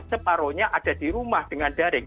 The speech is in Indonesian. separohnya ada di rumah dengan daring